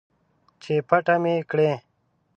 چې پټه مې کړي